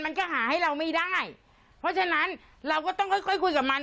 มันก็หาให้เราไม่ได้เพราะฉะนั้นเราก็ต้องค่อยค่อยคุยกับมัน